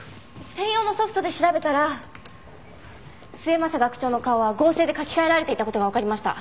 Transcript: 専用のソフトで調べたら末政学長の顔は合成で書き換えられていた事がわかりました。